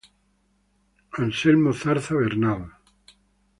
Anselmo Zarza Bernal.